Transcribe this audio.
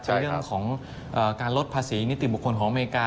ในเรื่องของการลดภาษีนิติบุคคลของอเมริกา